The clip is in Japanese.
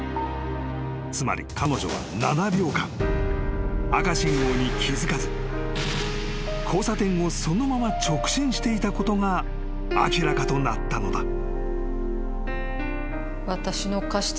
［つまり彼女は７秒間赤信号に気付かず交差点をそのまま直進していたことが明らかとなったのだ］